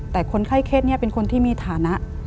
แต่คนไข้เคสนี้เป็นคนที่มีฐานะ